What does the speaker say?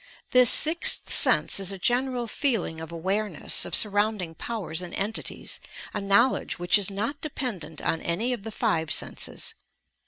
TMs axth sense is a general feeling of "awareness" of surrounding powers and entities — a knowledge which is not dependent on any of the five senses.